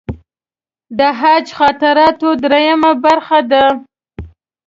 د حج خاطراتو درېیمه برخه ده.